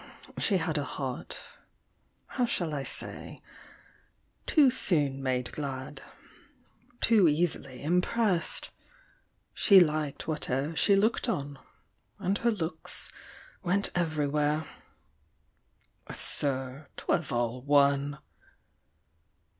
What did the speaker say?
She had A heart how shall I say too soon made glad, Too easily impressed; she liked whate'er She looked on, and her looks went everywhere. Sir, 'twas all one!